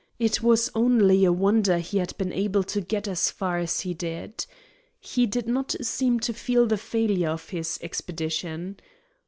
It was only a wonder he had been able to get as far as he did. He did not seem to feel the failure of his expedition.